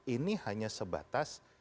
ini hanya sebatas